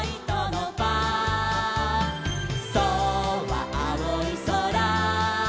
「『ソ』はあおいそら」